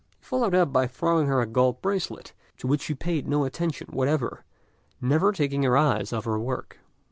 He followed up by throwing her a gold bracelet, to which she paid no attention whatever, never taking her eyes off her work.